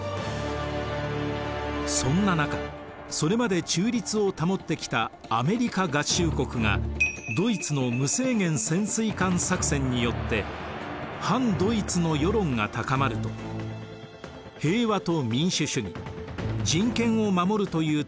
そんな中それまで中立を保ってきたアメリカ合衆国がドイツの無制限潜水艦作戦によって反ドイツの世論が高まると平和と民主主義人権を守るという大義を掲げて宣戦布告。